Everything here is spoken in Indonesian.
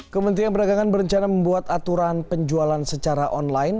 kementerian perdagangan berencana membuat aturan penjualan secara online